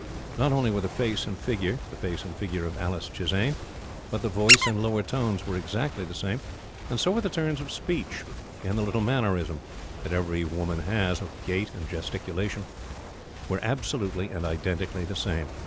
Not only were the face and figure, the face and figure of Alice Chisane, but the voice and lower tones were exactly the same, and so were the turns of speech; and the little mannerisms, that every woman has, of gait and gesticulation, were absolutely and identically the same.